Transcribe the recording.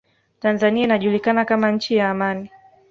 tanzania inajulikana kama nchi ya amani